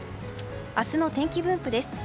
明日の天気分布です。